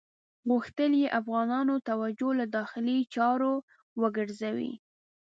غوښتل یې افغانانو توجه له داخلي چارو وګرځوي.